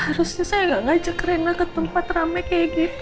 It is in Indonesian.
harusnya saya nggak ngajak rena ke tempat rame kayak gitu